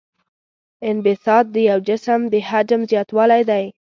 انبساط د یو جسم د حجم زیاتوالی دی.